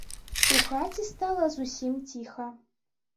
У хаце стала зусім ціха.